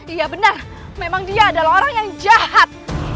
iya benar memang dia adalah orang yang jahat